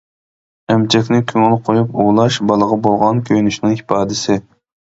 ئەمچەكنى كۆڭۈل قويۇپ ئۇۋۇلاش بالىغا بولغان كۆيۈنۈشنىڭ ئىپادىسى.